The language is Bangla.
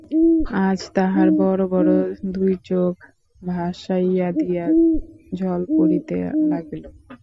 আজ তাহার বড়ো বড়ো দুই চোখ ভাসাইয়া দিয়া জল পড়িতে লাগিল।